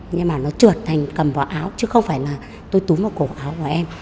nhưng mà nó trượt thành cầm vào áo chứ không phải là tôi túm vào cổ áo của em